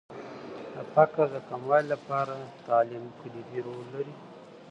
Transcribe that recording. د فقر د کموالي لپاره تعلیم کلیدي رول لري.